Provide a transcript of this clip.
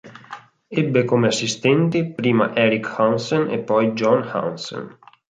Ebbe come assistenti prima Erik Hansen e poi John Hansen.